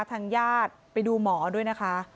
ทางญาติไปดูหมอด้วยนะคะ